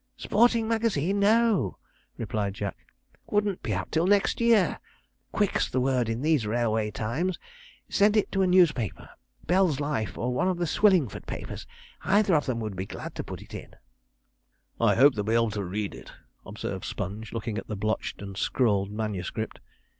'Sporting Magazine! no,' replied Jack; 'wouldn't be out till next year quick's the word in these railway times. Send it to a newspaper Bell's Life, or one of the Swillingford papers. Either of them would be glad to put it in.' 'I hope they'll be able to read it,' observed Sponge, looking at the blotched and scrawled manuscript.